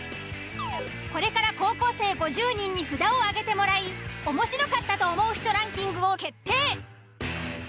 これから高校生５０人に札を上げてもらい面白かったと思う人ランキングを決定。